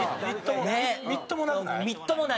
みっともなくない？